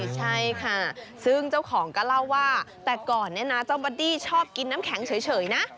ใช่ค่ะซึ่งเจ้าของก็เล่าว่าแต่ก่อนเนี่ยนะเจ้าบัดดี้ชอบกินน้ำแข็งเฉยนะ